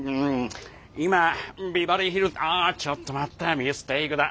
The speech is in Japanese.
今ビバリーヒルズああちょっと待ったミステイクだ。